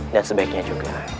dan sebaiknya juga